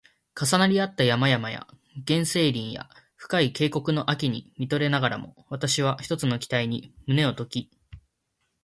重なり合った山々や原生林や深い渓谷の秋に見とれながらも、わたしは一つの期待に胸をとき